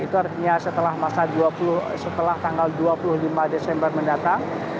itu artinya setelah tanggal dua puluh lima desember mendatang